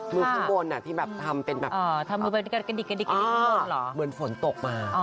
มือข้างบนน่ะที่แบบทำเป็นแบบอ๋อเหมือนฝนตกมาอ๋อ